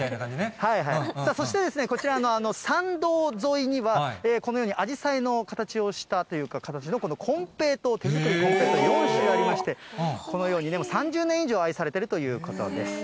そして、こちら、参道沿いには、このようにあじさいの形をしたというか、形のこのこんぺい糖、手づくりのこんぺい糖、用意されていまして、このようにもう３０年以上愛されているということです。